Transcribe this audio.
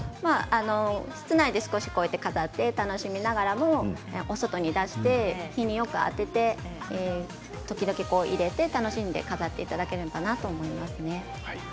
室内で少し飾って楽しみながらもお外に出して日によく当てて時々入れて楽しんで飾っていただければと思いますね。